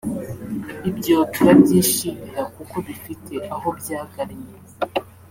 Ibyo turabyishimira kuko bifite aho byagannye